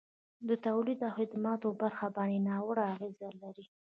د تولید او خدماتو برخه باندي ناوړه اغیزه لري.